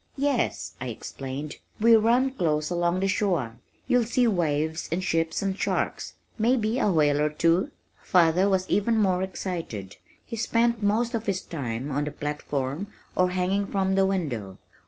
"Yes," I explained, "we run close along the shore. You'll see waves and ships and sharks may be a whale or two." Father was even more excited. He spent most of his time on the platform or hanging from the window.